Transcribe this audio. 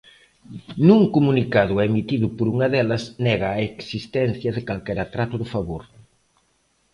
Nun comunicado emitido por unha delas nega a existencia de calquera trato de favor.